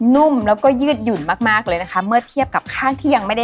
นุ่มแล้วก็ยืดหยุ่นมากเลยนะคะเมื่อเทียบกับข้างที่ยังไม่ได้ล้างเนี่ยนะคะ